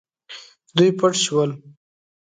دوی پټ شول.